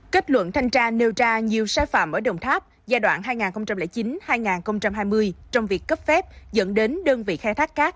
kết luận thanh tra nêu ra nhiều sai phạm ở đồng tháp giai đoạn hai nghìn chín hai nghìn hai mươi trong việc cấp phép dẫn đến đơn vị khai thác cát